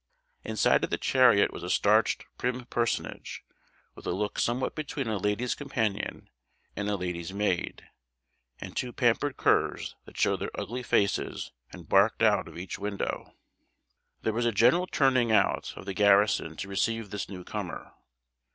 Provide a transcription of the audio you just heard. Inside of the chariot was a starched prim personage, with a look somewhat between a lady's companion and a lady's maid; and two pampered curs that showed their ugly faces and barked out of each window. [Illustration: "Two pampered curs that barked out of each window"] There was a general turning out of the garrison to receive this new comer.